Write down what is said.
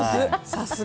さすが！